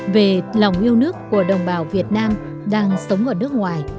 về lòng yêu nước của đồng bào việt nam đang sống ở nước ngoài